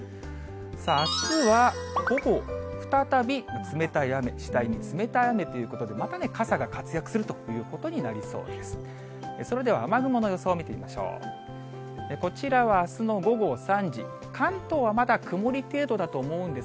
あすは午後、再び冷たい雨、次第に冷たい雨っていうことで、またね、傘が活躍するということになりそうです。